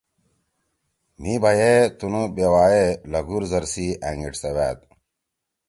مھی بھئی ئے تُنُو بیوا ئے لھگُور زر سی أنیگیٹ سیوأد۔